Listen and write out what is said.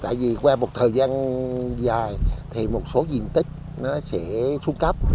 tại vì qua một thời gian dài thì một số diện tích nó sẽ xuống cấp